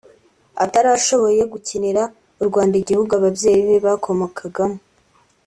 atarashoboye gukinira u Rwanda igihugu ababyeyi be bakomokamo